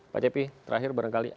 pak cepi terakhir berangkali